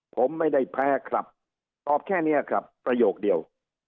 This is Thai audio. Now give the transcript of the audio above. ผมไม่ได้แพ้ครับตอบแค่นี้ครับประโยคเดียว